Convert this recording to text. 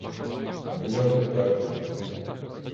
У нього тепер ніч.